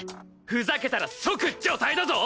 ふざけたら即除隊だぞ！